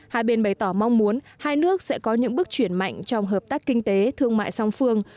hai bên bày tỏ mong muốn hai nước sẽ có những bước chuyển mạnh trong hợp tác kinh tế thương mại song phương